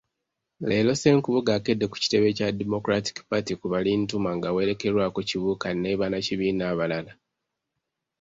Leero Ssenkubuge akedde ku kitebe kya Democratic Party ku Balintuma ng'awerekerwako Kibuuka ne bannakibiina abalala.